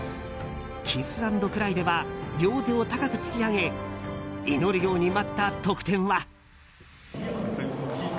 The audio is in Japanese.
キスアンドクライでは両手を高く突き上げ祈るように待った得点は。